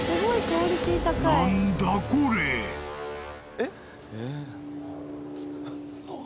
えっ？